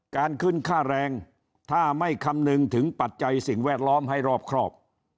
การขึ้นค่าแรงถ้าไม่คำนึงถึงปัจจัยสิ่งแวดล้อมให้รอบครอบ